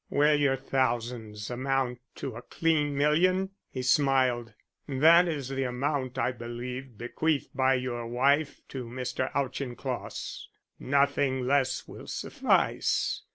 "Will your thousands amount to a clean million?" he smiled. "That is the amount, I believe, bequeathed by your wife to Mr. Auchincloss. Nothing less will suffice.